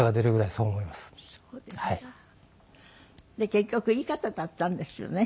結局いい方だったんですよね